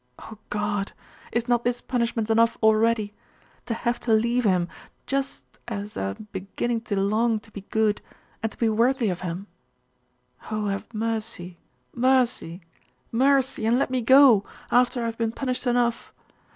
Oh God! is not this punishment enough already, to have to leave him, just as just as I am beginning to long to be good, and to be worthy of him?.... Oh, have mercy mercy mercy and let me go after I have been punished enough!